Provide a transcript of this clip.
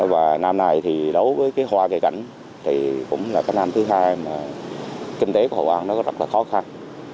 và năm nay thì đối với cái hoa cây cảnh thì cũng là cái năm thứ hai mà kinh tế của hội an nó có rất là khó khăn